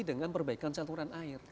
dengan perbaikan saluran air